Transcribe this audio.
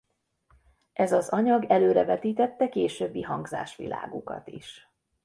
Ez az anyag előrevetítette későbbi hangzásvilágukat is.